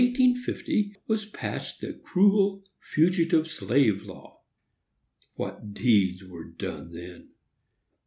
In 1850 was passed the cruel fugitive slave law. What deeds were done then!